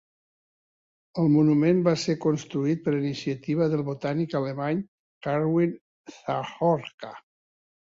El monument va ser construït per iniciativa del botànic alemany, Herwig Zahorka.